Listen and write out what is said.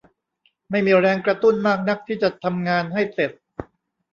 ไม่มีแรงกระตุ้นมากนักที่จะทำงานให้เสร็จ